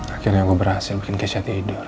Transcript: akhirnya gua berhasil bikin keisha tidur